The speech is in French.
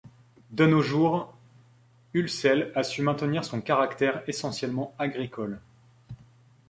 De nos jours, Hulsel a su maintenir son caractère essentiellement agricole.